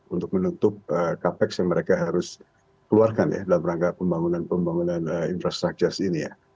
untuk menutup capex yang mereka harus keluarkan ya dalam rangka pembangunan pembangunan infrastruktur ini ya